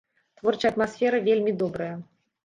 Творчая атмасфера вельмі добрая.